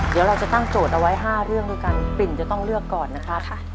เดี๋ยวเราจะตั้งโจทย์เอาไว้๕เรื่องด้วยกันปิ่นจะต้องเลือกก่อนนะครับ